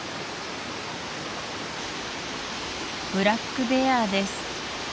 ブラックベアーです